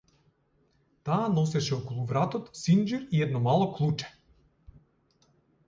Таа носеше околу вратот синџир и едно мало клуче.